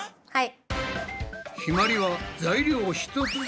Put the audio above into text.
はい。